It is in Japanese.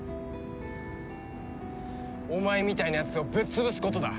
お前みたいなやつをぶっ潰すことだ